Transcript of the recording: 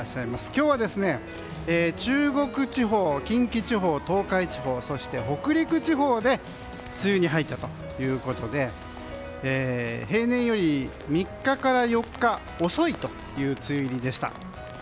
今日は、中国地方近畿地方、東海地方そして北陸地方で梅雨に入ったということで平年より３日から４日遅いという梅雨入りでした。